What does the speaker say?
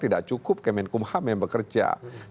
tidak cukup kemenkum ham yang bekerja